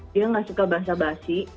dia nggak suka bahasa basi